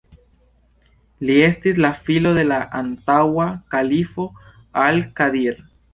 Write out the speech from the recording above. Li estis la filo de la antaŭa kalifo al-Kadir.